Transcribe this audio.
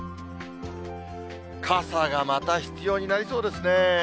傘がまた必要になりそうですね。